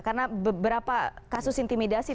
karena beberapa kasus intimidasi